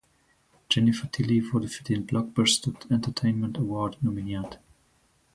Jennifer Tilly wurde für den "Blockbuster Entertainment Award" nominiert.